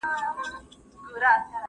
زیړ زبېښلی هم له وهمه رېږدېدلی !.